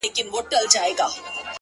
کلونه کيږي چي ولاړه يې روانه نه يې-